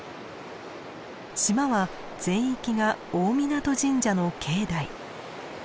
島は全域が大湊神社の境内。